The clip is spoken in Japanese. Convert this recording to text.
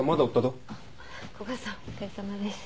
あっ古賀さんお疲れさまです。